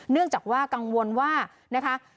เนื่องจากว่ากังวลว่านะคะ